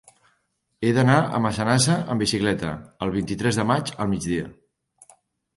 He d'anar a Massanassa amb bicicleta el vint-i-tres de maig al migdia.